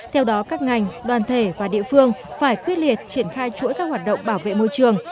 theo đó các ngành đoàn thể và địa phương phải quyết liệt triển khai chuỗi các hoạt động bảo vệ môi trường